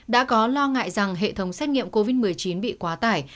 đã có lo ngại rằng hệ thống xét nghiệm covid một mươi chín bị quá tải